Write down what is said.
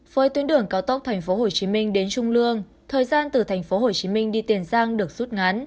với tuyến đường cao tốc tp hcm đến trung lương thời gian từ tp hcm đi tiền giang được rút ngắn